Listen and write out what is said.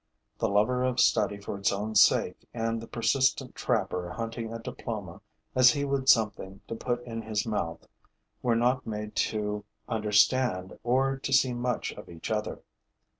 The lover of study for its own sake and the persistent trapper hunting a diploma as he would something to put in his mouth were not made to understand or to see much of each other.